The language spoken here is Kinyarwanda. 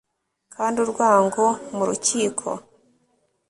kandi urwango mu rukiko